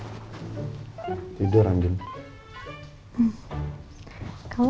kamu gak mau ngeliat muka aku mas di dunia depan depanan